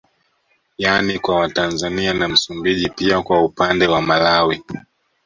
Yani kwa Tanzania na Msumbiji pia kwa upande wa Malawi